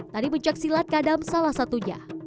tari puncak silat kadam salah satunya